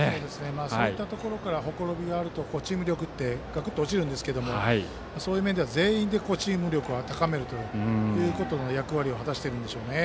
そういったところにほころびがあるとチーム力ってガクッと落ちるんですけどそういう面では全員でチーム力を高める役割なんでしょうね。